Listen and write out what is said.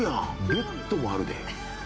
ベッドもあるで。